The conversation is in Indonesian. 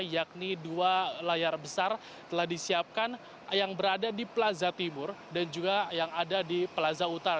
yakni dua layar besar telah disiapkan yang berada di plaza timur dan juga yang ada di plaza utara